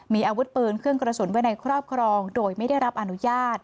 มีอาวุธปืนเครื่องกระสุนไว้ในครอบครองโดยไม่ได้รับอนุญาต